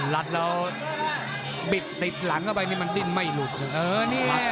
รัจแล้วบิดติดหลังเขาไปมันขึ้นไม่หลุด